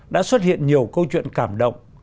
đã xuất hiện nhiều câu chuyện cảm động